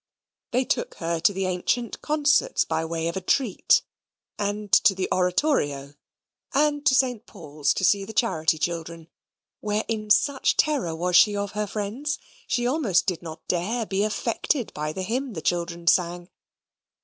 They took her to the ancient concerts by way of a treat, and to the oratorio, and to St. Paul's to see the charity children, where in such terror was she of her friends, she almost did not dare be affected by the hymn the children sang.